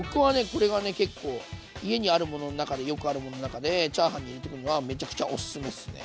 これがね結構家にあるものの中でよくあるものの中でチャーハンに入れてくにはめちゃくちゃおすすめですね。